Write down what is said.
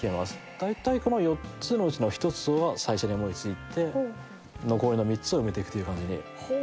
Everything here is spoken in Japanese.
だいたいこの４つのうちの１つは最初に思い付いて残りの３つを埋めていくという感じに。